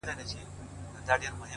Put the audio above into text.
نو دغه نوري شپې بيا څه وكړمه _